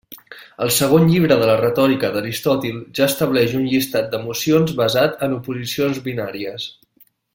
El segon llibre de la Retòrica d'Aristòtil ja estableix un llistat d'emocions basat en oposicions binàries.